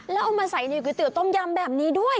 แล้วเอามาใส่ในก๋วเตี๋ต้มยำแบบนี้ด้วย